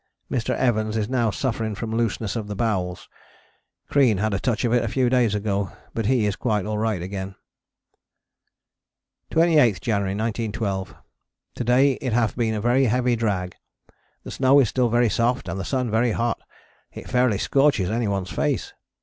Mr. Evans is now suffering from looseness of the bowels. Crean had a touch of it a few days ago, but he is quite alright again. 28th January 1912. To day it have been a very heavy drag. The snow is still very soft and the sun very hot, it fairly scorches anyone's face.